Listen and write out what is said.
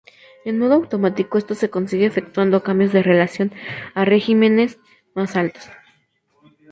En modo automático esto se consigue efectuando cambios de relación a regímenes más altos.